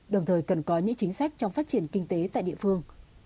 đồng thời cần có những chính sách trong phát triển kinh tế tại địa phương